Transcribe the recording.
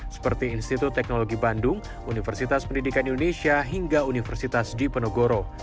seperti institut teknologi bandung universitas pendidikan indonesia hingga universitas dipenogoro